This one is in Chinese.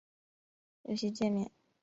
游戏介面似受世纪帝国系列的影响。